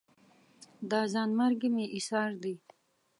دا ځان مرګي مې ایسار دي